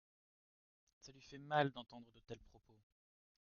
Ça lui fait mal d’entendre de tels propos.